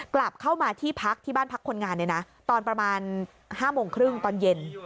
กลับเข้ามาที่บ้านพักคนงานตอนประมาณ๕โมงครึ่งตอนเย็น